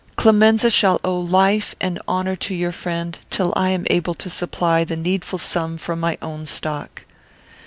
Clemenza shall owe life and honour to your friend, till I am able to supply the needful sum from my own stock."